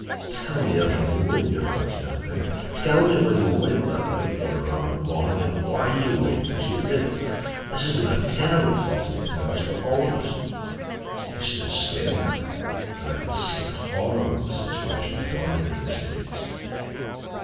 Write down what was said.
"Tell me everything, won't you, Halsey?" I begged. "Tell me where you went that night, or rather morning, and why you went as you did. This has been a terrible forty eight hours for all of us." He stood staring at me, and I could see the horror of the situation dawning in his face.